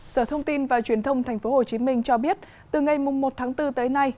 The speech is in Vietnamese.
sở thông tin và truyền thông tp hcm cho biết từ ngày một tháng bốn tới nay